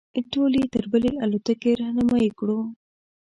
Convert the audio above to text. ټول یې تر بلې الوتکې رهنمایي کړو.